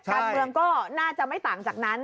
การเมืองก็น่าจะไม่ต่างจากนั้น